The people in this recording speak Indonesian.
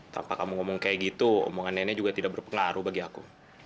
tanpa kamu ngomong kayak gitu omongan nenek juga tidak berpengaruh bagi aku